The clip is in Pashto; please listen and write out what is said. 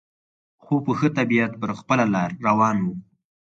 خو په ښه طبیعت پر خپله لار روان و.